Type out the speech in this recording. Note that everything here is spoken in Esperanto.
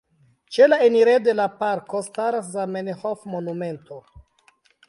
Ĉe la enirejo de la parko staras Zamenhof-monumento.